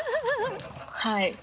はい。